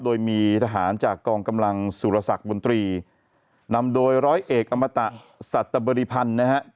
โดยมีทหารจากกองกำลังสุรสักบนตรีนำโดยร้อยเอกอมตะสัตบริพันธ์นะฮะ